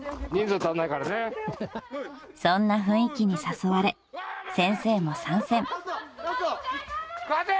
［そんな雰囲気に誘われ先生も参戦］・勝て！